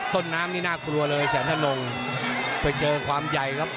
ต้นน้ำนี่น่ากลัวเลยแสนธนงไปเจอความใหญ่ครับ